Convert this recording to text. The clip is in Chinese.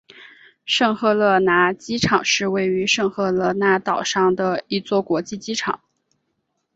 圣赫勒拿机场是位于圣赫勒拿岛上的一座国际机场。